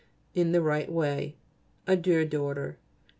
in the right way. Adieu, daughter.